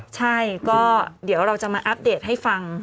ใช่ก็เดี๋ยวเราจะมาอัปเดตให้ฟัง